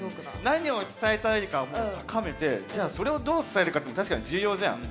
何を伝えたいかもう高めてじゃあそれをどう伝えるかっていうのも確かに重要じゃん。